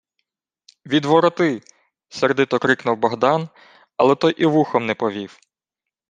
— Відвороти! — сердито крикнув Богдан, але той і вухом не повів: